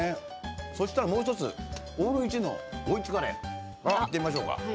そうしたら、もう一つ「オール１のおイチカレー」いってみましょうか。